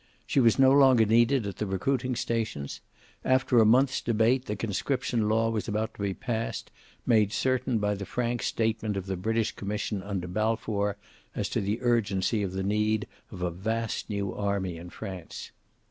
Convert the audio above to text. She was no longer needed at the recruiting stations. After a month's debate the conscription law was about to be passed, made certain by the frank statement of the British Commission under Balfour as to the urgency of the need of a vast new army in France.